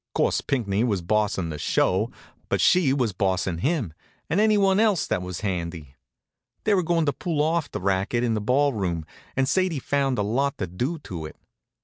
'Course Pinckney was bossin' the show, but she was bossin' him, and anyone else that was handy. They were goin' to pull off the racket in the ball room, and Sadie found a lot to do to it.